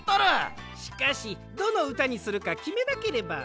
しかしどのうたにするかきめなければ。